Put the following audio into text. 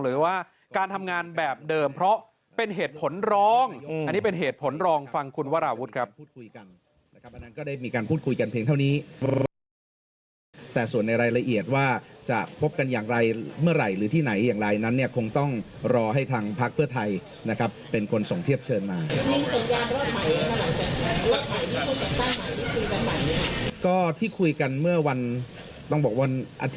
หรือว่าการทำงานแบบเดิมเพราะเป็นเหตุผลร้องอันนี้เป็นเหตุผลรองฟังคุณวราวุฒิครับ